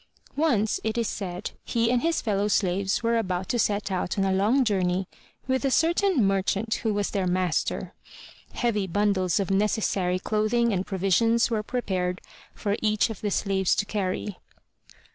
Once, it is said, he and his fellow slaves were about to set out on a long journey with a certain merchant who was their master. Heavy bundles of necessary clothing and provisions were prepared for each of the slaves to carry.